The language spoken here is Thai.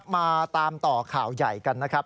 มาตามต่อข่าวใหญ่กันนะครับ